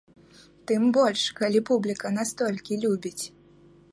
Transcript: Тым больш, калі публіка настолькі любіць.